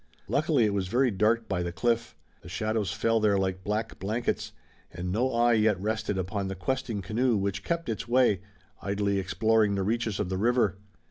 Luckily it was very dark by the cliff. The shadows fell there like black blankets, and no eye yet rested upon the questing canoe which kept its way, idly exploring the reaches of the river.